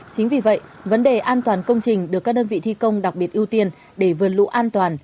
chính vì vậy vấn đề an toàn công trình được các đơn vị thi công đặc biệt ưu tiên để vượt lũ an toàn